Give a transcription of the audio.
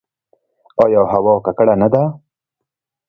آیا هوا ککړه نه ده؟